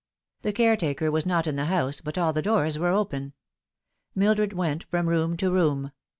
The caretaker was not in the house, but all the doors were open. Mildred went from room to room.